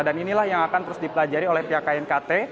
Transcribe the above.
dan inilah yang akan terus dipelajari oleh pihak knkt